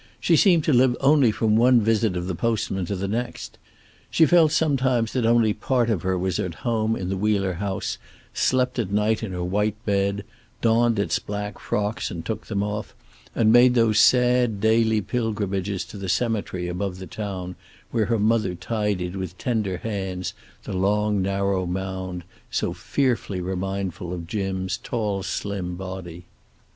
She seemed to live only from one visit of the postman to the next. She felt sometimes that only part of her was at home in the Wheeler house, slept at night in her white bed, donned its black frocks and took them off, and made those sad daily pilgrimages to the cemetery above the town, where her mother tidied with tender hands the long narrow mound, so fearfully remindful of Jim's tall slim body.